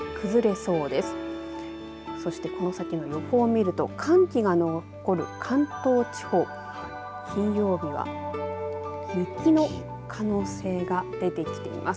そしてこの先の予報を見ると寒気が残る関東地方金曜日は雪の可能性が出てきています。